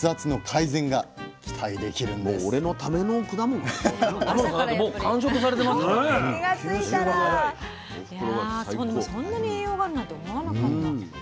いやでもそんなに栄養があるなんて思わなかった。